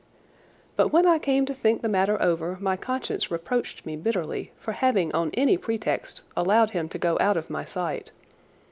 But when I came to think the matter over my conscience reproached me bitterly for having on any pretext allowed him to go out of my sight.